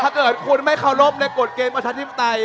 ถ้าเกิดคุณไม่เคารพในกฎเกณฑ์ประชาธิปไตย